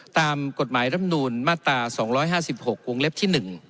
ตามกฎหมายรำนูลมาตรา๒๕๖วงเล็บที่๑